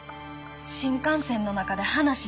新幹線の中で話した。